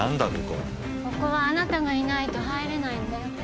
ここここはあなたがいないと入れないんだよ